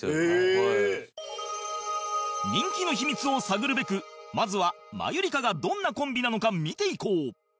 人気の秘密を探るべくまずはマユリカがどんなコンビなのか見ていこう